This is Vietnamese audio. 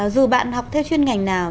dù bạn học theo chuyên ngành nào